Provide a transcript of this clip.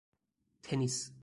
تنیس